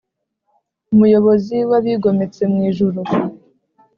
umuyobozi w’abigometse mw’ijuru